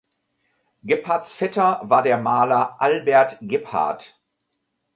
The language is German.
Gebhards Vetter war der Maler Albert Gebhard.